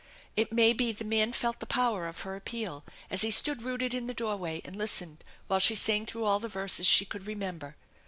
It may be the man felt the power of her appeal as he stood rooted in the doorway and listened while she sang through all the verses she could remember.